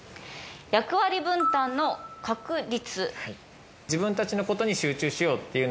役割分担の確立。